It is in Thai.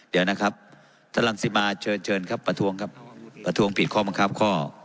เดี๋ยวนะครับท่านรังสิมาเชิญเชิญครับประท้วงครับประท้วงผิดข้อบังคับข้อ